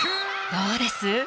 ［どうです？